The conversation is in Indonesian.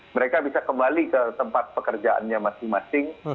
mereka bisa kembali ke tempat pekerjaannya masing masing